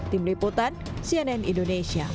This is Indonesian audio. tim liputan cnn indonesia